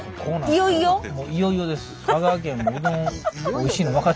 いよいよです。